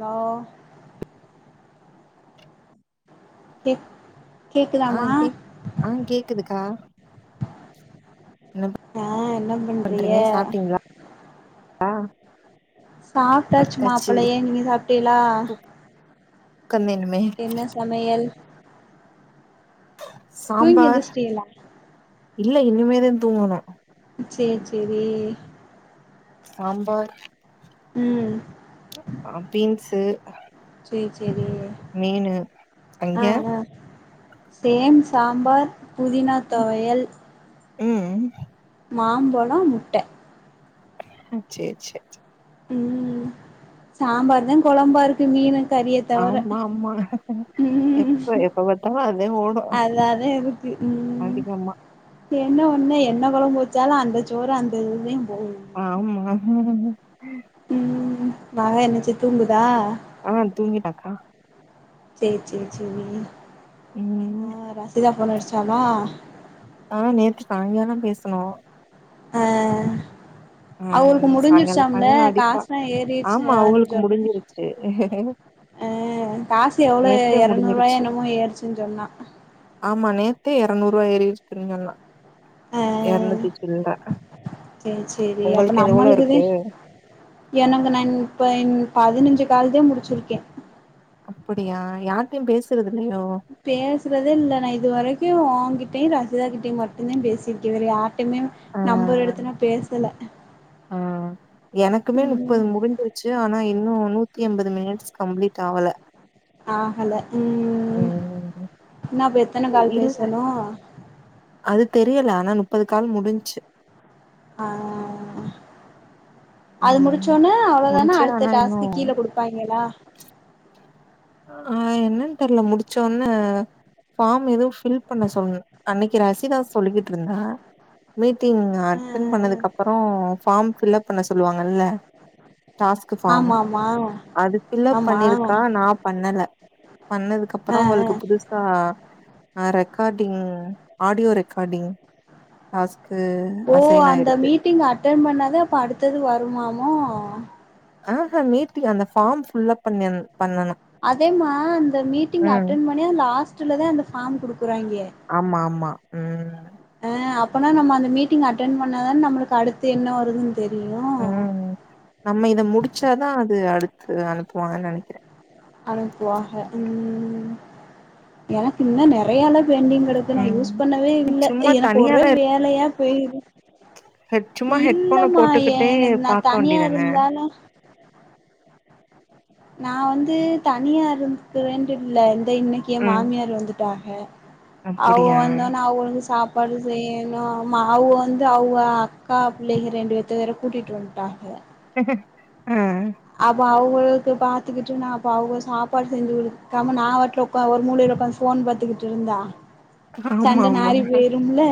hello கி ஆ கேக் ஆ கேக்குதுக்கா என்ன ஆ என்ன பண்றிய பண்றீங்க சாப்பிட்டீங்களா சாப்பிட்டாச்சுமா அப்பலையே நீங்க சாப்பிட்டேலா [unintelligible] என்ன சமையல் தூங்கி சாம்பார் எந்திரிச்சிட்டீகளா இல்ல இனிமேதான் தூங்கணும் சேரி சேரி சாம்பார் ம் ஆ பீன்ஸு சேரி சேரி மீனு அங்க ஆ ஆ சேம் சாம்பார் புதினா தொவையல் ம் மாம்பழம் முட்ட அ சேரி சேரி சேரி ம் சாம்பார் தான் குழம்பா இருக்கு மீனு கறியத் தவற ஆமா ஆமா ம் எப்ப எப்ப பாத்தாலு அதே ஓடு அதாதே இரு ம் அதிகமா என்ன ஒன்னு என்ன குழம்பு வச்சாலும் அந்த சோறு அந்த இது தேன் போவுது ஆமா ம் மக என்னச்சி தூங்குதா ஆ துங்கிட்டாக்கா சே சே சேரி ஆ ம் ரசிதா ஃபோன் அடிச்சாளா ஆ நேத்து சாயங்காலோ பேசுனோம் ஆ ஆ அவளுக்கு சாயங்காலோ முடிஞ்சிருச்சாம்ல சாயங்காலோ அடிப்பா காசுல்லாம் ஏறிருச்சு ஆமா அ அவங்களுக்கு சொன்னா முடிஞ்சிருச்சு ஆ காசு எவ்ளோ நேத்தே ஏறநூறு ரூவாயோ முடிஞ்சிருச்சு என்னமோ ஏறிச்சுன்னு சொன்னா ஆமா நேத்தே இறநூறு ரூவா ஏறிச்சுன்னு சொன்னா இறநூத்தி சில்ற சே சேரி அப்ப உங்களுக்கு எவ்ளோ இருக்கு நம்மளுக்குதேன் எனக்கு நன் இப்போ பதினைஞ்சு கால்தே முடிச்சிருக்கேன் அப்படியா யார்ட்டயையும் பேசுறது இல்லையோ பேசுறதே இல்ல நான் இது வரைக்கு உன்கிட்டையு ரசிதாக்கிட்டுயு மட்டும்தேன் பேசிருக்கே வேற யார் கிட்டயுமே ஆ நம்பர் எடுத்து நா பேசல ஆ எனக்குமே ம் நுப்பது முடிஞ்சிருச்சு ஆனா இன்னு நூத்தி எம்பது மினிட்ஸ் கம்ப்ளீட் ஆவல ஆகல ம் ம் இன்னு அப்போ எத்தன கால் இல்ல பேசணு அது தெரியல ஆனா நுப்பது கால் முடிஞ்ச்சு ஆ அது ம் முடிச்சோன்ன அவ்வளோதானா முடிஞ்சு ஆனா அடுத்த இன்னு டாஸ்க்கு கீழ குடுப் பாய்ங்களா ஆ என்னன்னு தெர்ல முடிச்சோன்ன ஃபார்ம் எதுவு ஃபில் பண்ண சொல்னு அன்னைக்கு ரசிதா சொல்லிக்கிட்டு இருந்தா மீட்டிங் ஆ அட்டன் ஆ பண்ணதுக் அப்றோ ஃபார்ம் பஃல்லப் பண்ண சொல்லுவாங்கல்ல டாஸ்க்கு ஆ ஃபார்ம்மு ஆமா ஆமா அது ஃபில்லப் ஆமா பண்ணிருக்கா நாப் பண்ணல பண்ணதுக்கு அப்றோ அவுளுக்கு புதுஸ் பா ரெக்கார்டிங் ஆடியோ ரெக்கார்டிங் டாஸ்க்கு ஓ அசைன் அந்த ஆயிருக்கு மீட்டிங் அட்டன் பண்ணாதா அப்ப அடுத்தது வருமாமோ ஆ ஹா மீட்டிங் அந்த ஃபார்ம் ஃபில்ப் பண்ணி பண்ணனும் அதேமா அந்த மீட்டிங் அட்டென் பண்ணி லாஸ்ட்டுல தா அந்த ஃபார்ம் குடுக்கிறாயிங்க ஆமா ஆமா ம் ஆ அப்போனா நம்ம அந்த மீட்டிங் அட்டன் பண்ணாதான் நம்முளுக்கு அடுத்து என்ன வருதுன்னு தெரியு ம் நம்ம இத முடிச்சாதா அது அடுத்து அனுப்புவாங்கன்னு நெனைக்கிறே அனுப்புவாக ம் எனக்கு இன்ன நறையல்லா பெண்டிங் கடக் இத நான் யூஸ் ம் பண்ணவே இல்ல சும்மா எனக்கு ஒரே தனியாதா வேலையா போயிட்ரே ஹெட் சும்மா ஹெட்போன இல்லமா போட்டுக்கிட்டே எனக் நா பாக்க தனியா வேண்டியதானே இருந்தாலு நா வந்து தனியா இருக்க வேண்டிதில்ல இந்த இன்னைக்கி என் ம் மாமியார் வந்துட்டாக அவுக அப்படியா வந்தோன்னா அவுக வந்து சாப் பாடு செய்யனு மாவு வந்து அவுங்க அக்கா பிள்ளைங்க ரெண்டு பேத்த வேற கூட்டிட்டு வந்துட்டாக அ அப்ப அவுகளுக்கு பாத்துக்கிட்டு நா அப்ப அவுக சாப்பாடு செஞ்சு குடுக்காம நா பாட்ல ஒக் க ஒரு மூளையில ஒக்காந்து ஃபோன் பாத்துக்கிட்டு இருந்தா ஆமா சண்ட ஆமா நாரி போயிரும்ல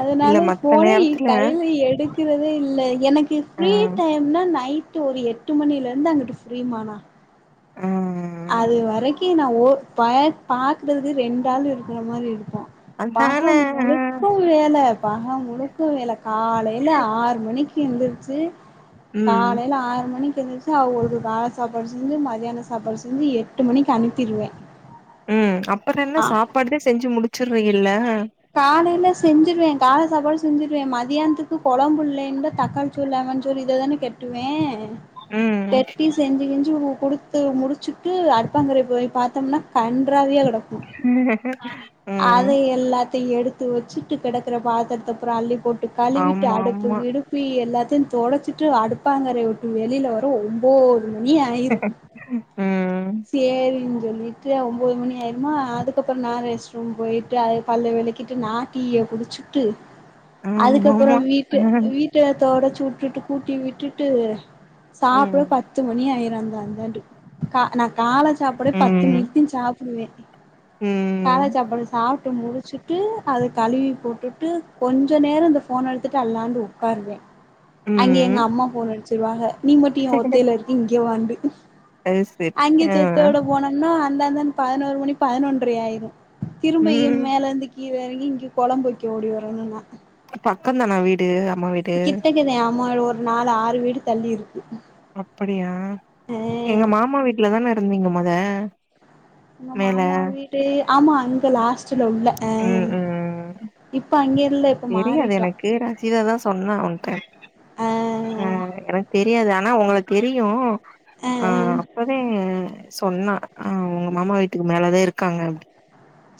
அதனால இல்ல மத்த ஃபோனே நேரத்துல கையில எடுக்கறதே இல்ல எனக் எனக் ஆ ஃப்ரீ டைம்னா நைட்டு ஒரு எட்டு மணிலருந்து அங்குட்டு ஃப்ரீ மா நா ம் அது வரைக்கு நா ஓ பா பாக்குறதுக்கு ரெண்டு ஆள் இருக்கற மாரி இருப்போ அதான பகல் முழுக்க க்க வேல பகல் முழுக்கு வேல காலையில ஆறு மணிக்கு எந்திரிச்சு ம் காலைல ஆறு மணிக்கு எந்திரிச்சா ஒரு வேல சாப்பாடு செஞ்சி மத்தியானோ சாப்பாடு செ செஞ்சி எட்டு மணிக்கு அனுப்பிருவே ம் அப்பற என்ன சாப்பாடுதா செஞ்சி முடிச்சிட்ற இல்ல காலையில செஞ்சிருவே கால சாப்பாடு செஞ்சிருவே மதியானத்துக்கு கொழம்பு இல்லன்டா தக்காளி சோறு லெமன் சோறு இததானே கெட்டுவே ம் கட்டி செஞ்சி கிஞ்சி இவு குடுத் முடிச்சுட்டு அடுப்பாங்கரைய போய் பாத்தோம்னா கன்றாவியா கெடக் க்கு அத ம் எல்லா த்த எடுத்து வெச்சிட்டு கெடக்குற பாத்திரத்த பூரா அள்ளி போட்டு கழுவிட்டு ஆமா அடுப்பு ஆமா கிடுப் ப்பு எல்லாத்தையு தொடச்சிட்டு அடுப்பாங்கறய விட்டு வெளில வர ஒம்போது மணி ஆயிரு ம் சேரின்னு சொல்லிட்டு ஒம்போது மணி ஆயிருமா அதுக்கப்பறோ நா ரெஸ்ட்ரூம் போயிட்டு அது பல்ல வெளக்கிட்டு நா டீய குடிச்சுட்டு அதுக்கப்பறோ ஆமாமா வீட்ட வீட் ட தொடச்சு விட்டுட்டு கூட்டி விட்டுட்டு சாப்ட பத் ம் பத்து மணி ஆயிரு அந்தா இந்தாண்ட்டு கா நா கால சாப்பாடே பத்து ம் மணிக்குதா சா ப்புடுவே ம் கால சாப்பாடு சாட்டு முடுச் டிச்சுட்டு அத கழுவி போட்டுட்டு கொஞ்ச நேரோ இந்த ஃபோன எடுத்துட்டு அல்லாண்டு ஒட்காருவே அங்கே எங்க ம் அம்மா ஃபோன் அடுச்சிருவாங்க நீ மட்டு ஏ ஒத்தையில இருக்க இங்கே வாண்டு அது செரி அங்க ஆ செத்தோட போனம்னா அந்தாஇந்தான் பதினோரு மணி பதினொன்ற ஆயிரு ம் திரும்பயும் மேல இருந்து கீழே எறங்கி இங்க கொழம்பு வெக்க ஓடி வரணு நா பக்கோ தானா வீடு அம்மா வீடு கிட்டக்கதே ஆமா ஒரு நாலு ஆறு வீடு தள்ளி இருக்கு அப்புடியா ஆ எங்க மாமா வீட்லதான இருந்தீங்க மொத உங்க மேல மாமா வீடு ஆமா அங்க லாஸ் ட்டுல உள்ள ஆ ம் ம் இப்ப அங்க இல்ல இப்ப மாறிட்டோ மீனாட்சி இததா சொன்னா ஒன்ட்ட ஆ ஆ எனக்கு தெரியாது ஆ ஆனா ஒங்கள தெரியு ஆ அப்பவே சொன்னா ஆ ஒங்க மாமா வீட்டுக்கு மேலதா இருக்காங்க அப்டி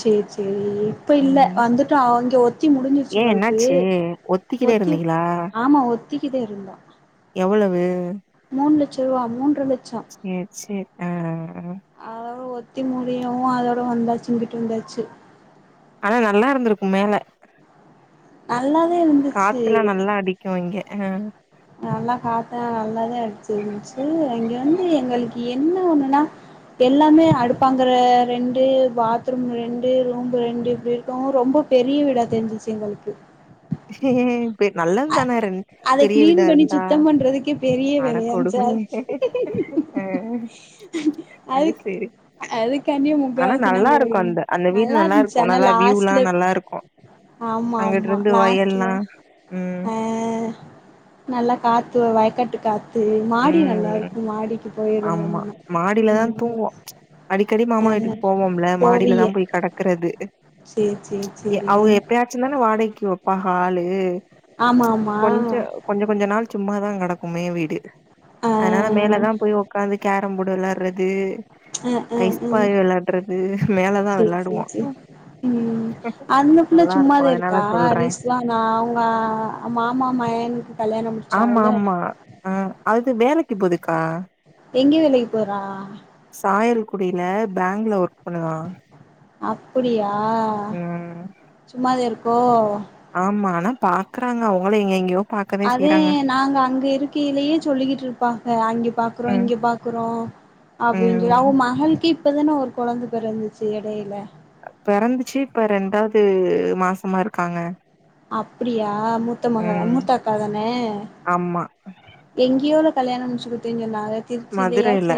ச்செரி ச்செரி இப்ப இல்ல ம் வந்துட்டோ அங்க ஒத் ஒத்தி முடிஞ்சிருச்சு ஏ எங்களுக்கு என்னாச்சு ஒத்திக்கிட்டே ஒத்தி இருந்தீங்களா ஆமா ஒத்திக்கிதே இருந்தோ எவ்வளவு மூணு லட்ச ரூவா மூன்ற லட்சோ செரி சேரி ஆ அதோட ஒத்தி முடியவு அதோட வந்தாச்சு இங்கிட்டு வந்தாச்சு ஆனா நல்லா இருந்திருக்கும் மேல நல்லாதே இருந்துச்சு க்யோ இங்க ஆ நல்லா காத்தா நல்லாதா அடிச்சிருந்துச்சு இங்க வந்து எங்களுக்கு என்ன ஒண்ணுன்னா எல்லாமே அடுப்பாங்கற ரெண்டு பாத்ரூம் ரெண்டு ரூம்பு ரெண்டு இப்டி இருக்கு ரொம்ப பெரிய விடா தெருஞ்சிச்சு எங்களுக்கு நல்லது தான ரன் அத பெரிய வீடா கிளீன் பண்ணி இருந்தா சுத்தம் பண்றதுக்கே பெரிய அட வேலையா இருந்துச்சு அது கொடுமையே ஆ அது அதுக் சேரி அதுக்காண்டியே ஆனா முக்காவாசி நல்லா நாங்க ஓடி இருக்கும் வந் அந்த அந்த வீடு நல்லா இருந்துச்சு இருக்கு ஆனா நல்லா வியூல்லா லாஸ்ட்ல நல்லா இருக்கும் ஆமா அங்கிட்டு ஆமா இருந்து லாஸ்ட்ல வயல்லா ம் ஆ நல்லா காத்து வயக்காட்டு காத் து மாடி நல்லா ம் இருக்கு மாடிக்கு ஆமா போயிருந்தம்னா மாடிலதா ம் தூங்குவோ அடிக்கடி மாமா ஆ வீட்டுக்கு போவோம்ல போவிய மாடிலதா போய் கடக்குறது சேரி சேரி சேரி ந்தான வாடகைக்கு வப்பாக ஆளு ஆமா ஆமா கொஞ்ச கொஞ்ச கொஞ்ச நாள் சும்மாதா கடக்கு மேவீடு ஆ அதனால மேலதா போய் உட்காந்து கேரம் போர்டு வெளாடுறது ஆ ஆ ஆ ஐஸ்பாய் வெளாடுறது மேலதா சேரி வெளாடுவோ சேரி சேரி ம் நல்லா இருக்கும் அதனால சொல்றே நா அவங்க மாமா மையனுக்கு கல்யாணம் ஆமா முடிச்சாங்கல்ல ஆமா ஆ அது வேலைக்கு போதுக்கா எங்க வேலைக்கு போறா சாயல்குடியில பேங்ள ஒர்க் பண்ணுதா அப்புடியா ம் சும்மாதே இருக்கோ ஆமா ஆனா பாக்குறாங்க அவங்களும் எங்க எங்கயோ அதே நாங்க அங்க இருக்கையிலயே சொல்லிட்டு இருப்பாக அங்க பாக்குறோ ம் இங்க பாக்குறோ அப்படின்னு சொல்லி ம் அவக மகளுக்கே இப்பதான ஒரு கொழந்த பெறந்துச்சு எடையில பெறந்துச்சு இப்ப ரெண்டாவது மாசமா இருக்காங்க அப்படியா மூத்த மகள் ம் மூத்த அக்காதானே ஆமா எங்கேயோல கல்யாணோ முடுச்சு குடுத்தேன் சொன்னாக மதுரைல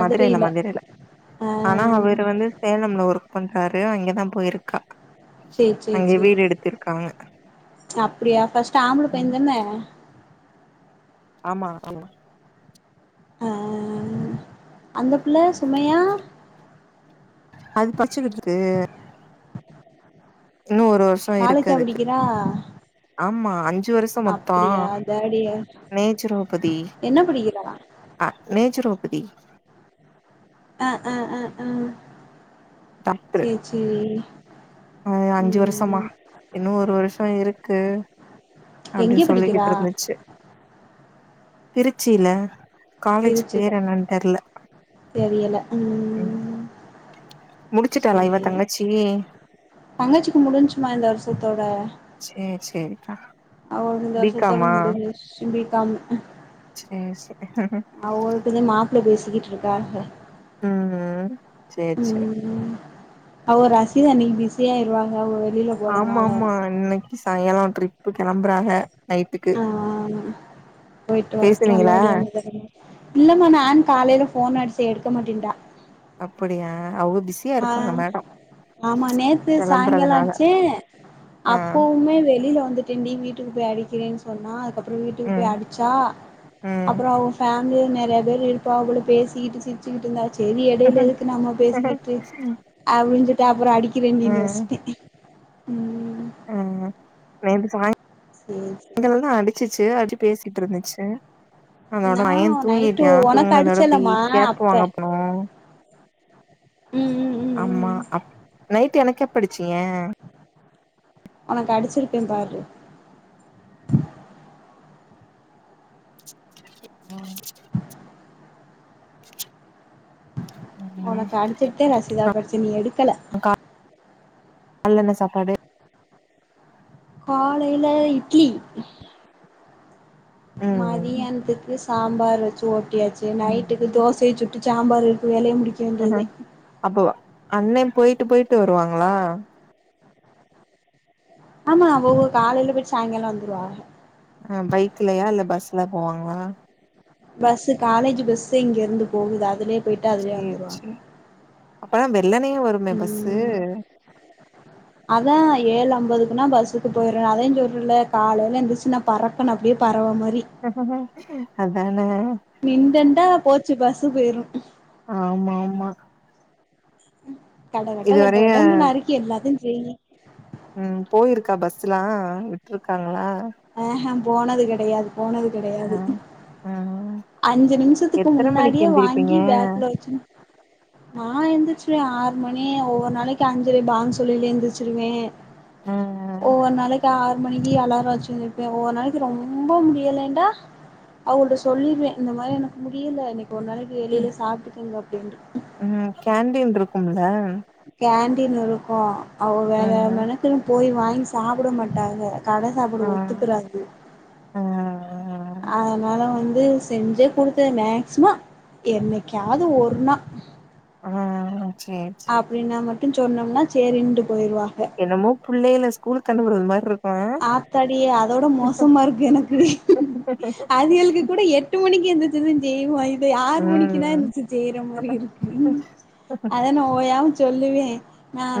மதுரைல மதுரைல ஆ ஆனா அவரு வந்து சேலம்ல ஒர்க் பண்றாரு அங்கதா போயிருக்கா செரி செரி அங்கே வீடு செரி எடுத்திருக்காங்க அப்டியா பஸ்ட்ட் ஆம்பள ம் பையன்தன ஆமா ஆமா ஆ அந்த புள்ள சுமையா அது படிச்சிக்கிட்டு இருக்கு இன்னும் ஒரு வருஷோ இருக்கு காலேஜா அதுக்கு படிக்கிறா ஆமா அஞ்சு வருஷோ மொத்தா அப்டியா தேர்ட் இயர் நேச்சரோபதி என்ன படிக்கிறா அ நேச்ச ரோகுதி ஆ ஆ ஆ ஆ டாக்டரு செரி செரி அ உ அஞ்சு வருஷமா இன்னு ஒரு வருஷோ இருக்கு எங்கே அப்டின்னு படிக்கிறா சொல்லிட்டு இருந்துச்சு திருச்சியில காலேஜ் திருச்சில பேர் என்னன்னு தெரியல தெரியல ம் முடிச்சுட்டாலா இவ சேரி தங்கச்சி தங்கச்சிக்கு முடிஞ்சுமா இந்த வருஷத்தோட சேரி சேரிக்கா அவளுக்கு இந்த பி வருஷத்தோட காமா முடிஞ்சுச்சு பிகம் செரி செரி அவுங்களுக்குதா மாப்ள பேசிக்கிட்டு இருக்காக உ செரி செரி அவர் ரசிதனில் இனி பிஸியா ஆயிருவாங்க ஒரு ஆமா ஆமா இன்னிக்கு சாயங்கலோ ட்ரிப்பு கிளம்புறாங்க ஆஹ் ஆ போயுட்டு வரட்டு பேசுனீங்களா நல்லாபடியவது இல்லம்மா நானு காலையில போன் அடிச்சே எடுக்க மாட்டா அப்புடியா அவ்ளோ பிஸியா ஆ இருப்பாங்க மேடம் ஆமா நேத்து சாயங்காலோ கெளம்புறதுனால ஆச்சு ஆ அப்பவுமே வெளில வந்துட்டு வீட்டுக்கு போய் அடிக்கிறேன்னு சொன்னா அதுக்கப்றோ வீட்டுக்கு ம் போய் அடிச்சா ம் அப்றோ அவுங்க நெறைய பேர் இருப்பா கூட பேசிக்கிட்டு சிரிச்சுட்டு இருந்தா சரி இடையில இருக்கு நாம பேசிக்கிட்டு அப்டிஞ்சிட்டு அப்றோ அடிக்கிறேன் நீடு வச்சிட்டே ஆ இந்த சேரி சேரி சாயங்கல்லோ அடிச்சிச்சு அப்ப பேசிட்டு இருந்துச்சு அதோட நா பையே நைட்டு தூங்கிட்டியா ஒனக்கு தூங்கினதோட போய் அடிச்சேலமா கேப் அப்ப வாங்க போனோ உ உ ஆமா அ நைட் எனக்கே எப்போ அடிச்சீங்க உனக்கு அடிச்சிருப்பே பாரு உஹம் ம் உனக்கு அடிச்சட்டே ரசிதா பிரச்ச நீ எடுக்கல நல்லெண்ண சாப்பாடு காலைல இட்லி ம் மதியானத்துக்கு சாம்பாரு வச்சு ஓட்டியாச்சு நைட்டுக்கு தோசைய சுட்டு சாம்பார் இருக்கு வேலய முடிக்க வேண்டியதே அப்ப அண்ணே போயிட்டு போயிட்டு வருவாங்களா ஆமா அவுக காலையல போயிட்டு சாயங்காலோ வந்துடுவாக ஆ பைக்லயா இல்ல பஸ்ல போவாங்களா பஸ்சு காலேஜ் பஸ்சே இங்க இருந்து போகுது அதுலயே போயிட்டு அதுலயே சேரி வந்துருவாங்க சேரி அப்பன்னா வெள்ளனயே வருமே பஸ்சு ம் அதா ஏழு ஐம்பதுக்குனா பஸ்ஸுக்கு போயரு அதே சொல்றல்ல காலையில எந்துச்சு நா பறக்கனு அப்டியே பறவ மாரி அதான நின்டண்டா போச்சு பஸ்சு போயிரு ஆமா ஆமா கட கட கட இதுவரைய கடன்னு நருக்கி எல்லாத்தயு செய்யி ம் போயிருக்கா பஸ்சுலா விட்ருக்காங்களா ஆஹ போனது கெடையாது போனது ஆ கெடையாது ஆ அஞ்சு நிமிஷத்துக்கு எத்தன மணிக்கு முன்னாடியே எந்திரிப்பீங்க வாங்கி பேக்ல வச்சுன் நா எந்திச்சிருவே ஆறு மணி ஒவ்வொரு நாளைக்கு அஞ்சரே பாங்கு சொல்லலே எந்திருச்சிருவே ஆ ஒவ்வோர் நாளைக் ஆறு மணிக்கு அலார வச்சு எந்திருப்பே ஒவ்வரு நாளைக்கு ரொம்ப முடியலைன்டா அவகள்ட்ட சொல்லிருவே இந்த மாரி எனக்கு முடியல இன்னைக்கு ஒரு நாளைக்கு வெளியில சாப்ட்டுக்கங்க அப்படினு ம் கேண்டீன் இருக்கும்ல கேண்டீன் இருக்கு அவக வேல ம் மெணக்குன் போய் வாங்கி சாப்பிட மாட்டாக கட ஆ சாப்பாடு ஒத்துக்குறாது ஆ ஆ அதனால வந்து செஞ்சேக் குடுத்தனே மேக்ஸிமொ என்னைக்கது ஒர்ணா ஆ சேர் அப்டின்னா மட்டு சொன்னம்னா சேரிண்டு போயிருவா என்னமோ புள்ளைல ஸ்கூலுக் அனுப்புற மாரி இருக் ஆத்தாடி அதோட மோசமா இருக்கு எனக்கு அவியளுக்கு கூட எட் ட்டு மணிக்கு எந்திச்சுதே செய்வோ ஆறு மணிக்குன்னா ம் எந்துச்சு செய்யற மாரி இருக்கு அத நா ஓயாம சொல்லுவே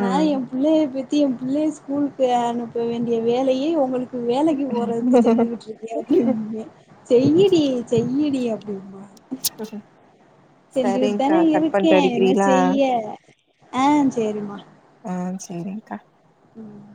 ம் ம் ஏ புள்ளய பெத்து ஏ புள்ளய ஸ்கூலுக்கு அனுப்ப வேண்டிய வேலையே ஒங்களுக் வேலைக்கு போறதுக்கு செஞ்சுகிட்டு இருக்கே அப்படிம்பே செய்யிடி செய்யிடி அப்படிம்பா செஞ்சுக்கிட்டு சரிங்க்கா தானே கட் இருக்கே பண்ட்டு என்ன அடிக்கிறீங்களா செய்ய ஆ சேரிமா ஆ சேரிங்கா ம்